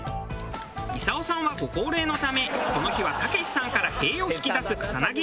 功さんはご高齢のためこの日は毅さんから「へぇ」を引き出す草薙。